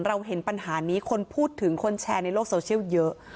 เราเห็นปัญหานี้คนพูดถึงคนแชร์ในโลกโซเชียลเยอะ